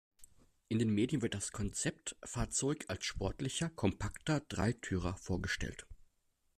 In den Medien wird das Konzeptfahrzeug als sportlicher, kompakter Dreitürer vorgestellt.